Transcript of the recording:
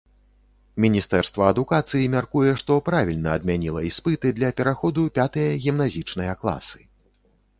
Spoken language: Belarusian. Міністэрства адукацыі мяркуе, што правільна адмяніла іспыты для пераходу пятыя гімназічныя класы.